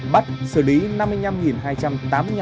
bắt xử lý